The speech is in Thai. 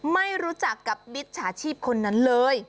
ไม่รู้จักกับมิจฉาชีพคนนั้นเลย